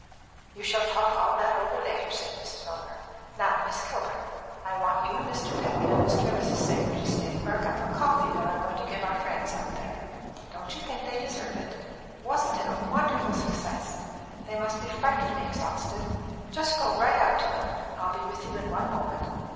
"You shall talk all that over later," said Mrs. Munger. "Now, Miss Kilburn, I want you and Mr. Peck and Mr. and Mrs. Savor to stay for a cup of coffee that I'm going to give our friends out there. Don't you think they deserve it? Wasn't it a wonderful success? They must be frightfully exhausted. Just go right out to them. I'll be with you in one moment.